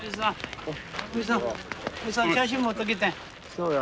そうや。